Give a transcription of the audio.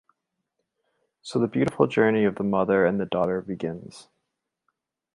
So the beautiful journey of the mother and the daughter begins.